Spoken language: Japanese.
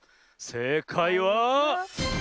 せいかいは。